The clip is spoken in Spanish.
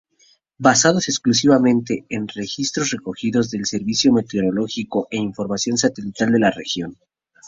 Basados exclusivamente, en registros recogidos del servicio meteorológico e información satelital de la región.